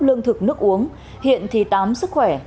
lương thực nước uống hiện thì tám sức khỏe